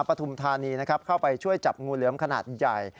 ปฐุมธานีนะครับเข้าไปช่วยจับงูเหลือมขนาดใหญ่